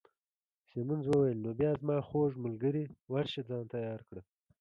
سیمونز وویل: نو بیا زما خوږ ملګرې، ورشه ځان تیار کړه.